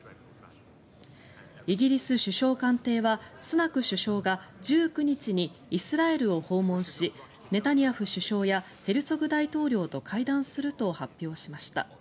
イギリス首相官邸はスナク首相が１９日にイスラエルを訪問しネタニヤフ首相やヘルツォグ大統領と会談すると発表しました。